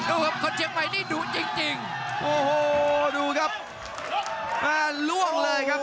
โอ้โหคนเชียงใหม่นี่ดูจริงโอ้โหดูครับล่วงเลยครับ